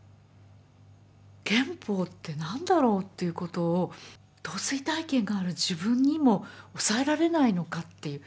憲法って何だろうっていうことを統帥大権がある自分にも抑えられないのかっていう